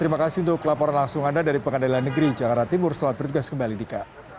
terima kasih untuk laporan langsung anda dari pengadilan negeri jakarta timur setelah berjugas kembali di k